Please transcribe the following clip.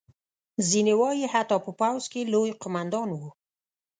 ځینې وایي حتی په پوځ کې لوی قوماندان وو.